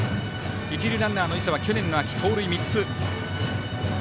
一塁ランナーの磯は去年の秋、盗塁３つ。